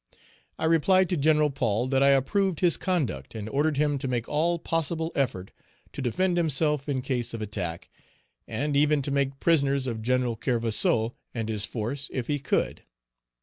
I replied to Gen. Paul that I approved his conduct, and ordered him to make all possible effort to defend himself in case of attack; and even to make prisoners of Gen. Kerverseau and his force, if he could.